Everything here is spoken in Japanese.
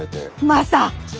マサ。